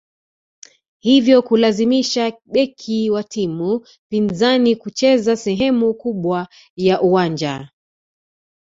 hivyo kulazimisha beki wa timu pinzani kucheza sehemu kubwa ya uwanja